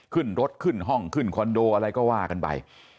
ขึ้นรถขึ้นห้องขึ้นคอนโดอะไรก็ว่ากันไป